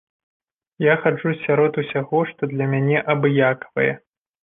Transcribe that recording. Я хаджу сярод усяго, што для мяне абыякавае.